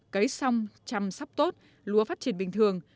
cấy xong chăm sóc tốt lúa phát triển bình thường